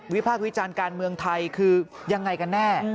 พากษ์วิจารณ์การเมืองไทยคือยังไงกันแน่